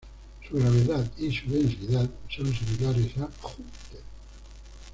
Su gravedad y su densidad son similares a Júpiter